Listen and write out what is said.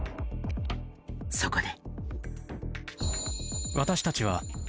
そこで。